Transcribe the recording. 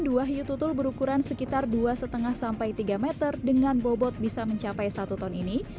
dua hiu tutul berukuran sekitar dua lima sampai tiga meter dengan bobot bisa mencapai satu ton ini